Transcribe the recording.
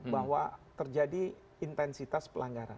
bahwa terjadi intensitas pelanggaran